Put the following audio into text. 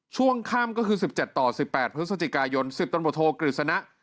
ช่วงข้ำก็คือสิบเจ็ดต่อสิบแปดพฤศจิกายนสิบตนโปรโทกฤษณะ